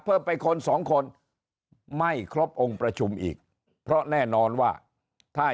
เพิ่มไปคนสองคนไม่ครบองค์ประชุมอีกเพราะแน่นอนว่าถ้า